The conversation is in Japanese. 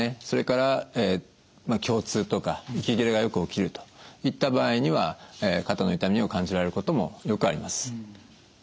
それから胸痛とか息切れがよく起きるといった場合には肩の痛みを感じられることもよくあります。